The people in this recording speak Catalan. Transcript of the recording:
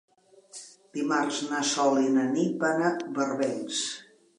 Dimarts na Sol i na Nit van a Barbens.